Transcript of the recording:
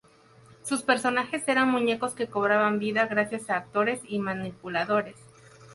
Sus personajes eran muñecos que cobraban vida gracias a actores y manipuladores.